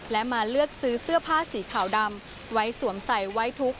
และมาเลือกซื้อเสื้อผ้าสีขาวดำไว้สวมใส่ไว้ทุกข